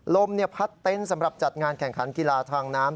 ลมพัดเต็นต์สำหรับจัดงานแข่งขันกีฬาทางน้ำ